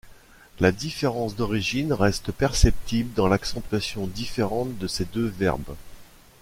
La différence d'origine reste perceptible dans l'accentuation différente de ces deux verbes.